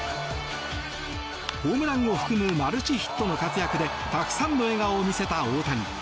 ホームランを含むマルチヒットの活躍でたくさんの笑顔を見せた大谷。